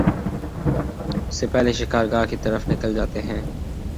سے پہلے شکار گاہ کی طرف نکل جاتے ہیں